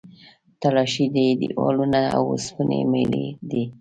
تلاشۍ دي، دیوالونه او اوسپنې میلې دي.